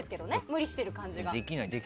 無理してる感じが。